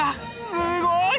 すごい！